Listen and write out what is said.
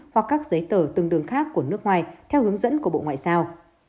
hoặc các giấy tờ tương đương khác của nước ngoài theo hướng dẫn của bộ ngoại giao